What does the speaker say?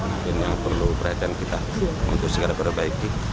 mungkin yang perlu perhatian kita untuk segera perbaiki